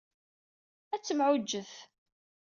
Ad temɛujjet.